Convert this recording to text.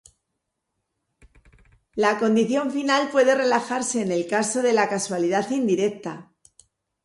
La condición final puede relajarse en el caso de la causalidad indirecta.